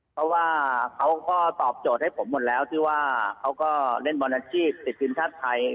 เพราะว่าเขาก็ตอบโจทย์ให้ผมหมดแล้วที่ว่าเขาก็เล่นบอลอาชีพติดทีมชาติไทย